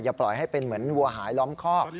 ปล่อยให้เป็นเหมือนวัวหายล้อมคอก